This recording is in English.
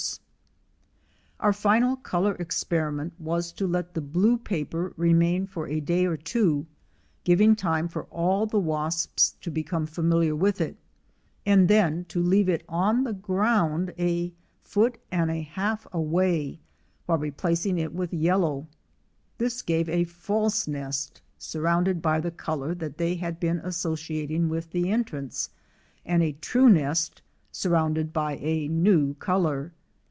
6 COMMUNAL LIFE Our final color experiment was to let the blue paper remain for a day or two, giving time for all the wasps to become familiar with it, and then to leave it on the ground a foot and a half away, while replacing it with yellow. This gave a false nest surrounded by the color that they had been associating with the entrance, and a true nest surrounded by a new color.